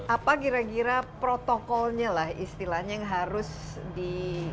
apa gira gira protokolnya lah istilahnya yang harus di